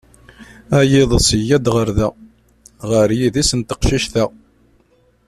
A yiḍes yya-d ɣar da, ɣar yidis n teqcict-a.